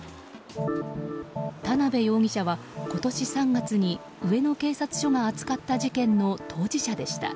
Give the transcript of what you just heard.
田辺容疑者は、今年３月に上野警察署が扱った事件の当事者でした。